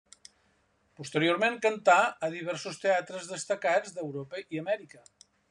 Posteriorment cantà a diversos teatres destacats d'Europa i Amèrica.